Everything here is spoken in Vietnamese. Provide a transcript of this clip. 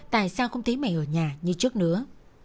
tại sao không thấy mẹ ở nhà như trước nữa